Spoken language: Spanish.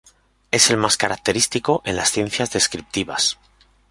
Es el más característico en las ciencias descriptivas.